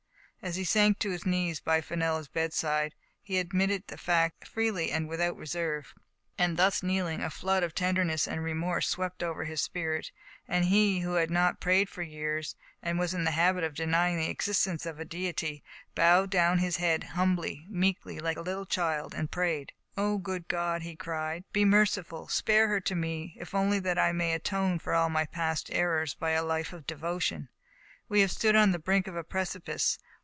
As he sank on his knees by Fenella's bedside, he ad mitted the fact, freely and without reserve. And thus kneeling, a flood of tenderness and re morse swept over his spirit, and he, who had not prayed for years, and was in the habit of deny ing the existence of a Deity, bowed down his head, humbly, meekly, like a little child, and prayed. " Oh ! good God," he cried, " be merciful. Spare her to me, if only that I may atone for all my past errors by a life of devotion. We have stood on the brink of a precipice.